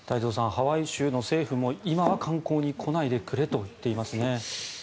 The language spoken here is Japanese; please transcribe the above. ハワイ州の政府も今は観光に来ないでくれと言っていますね。